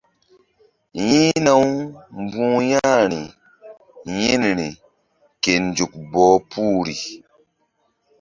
Yi̧hna-u mbu̧h ya̧hri yi̧nri ke nzuk bɔh puhri.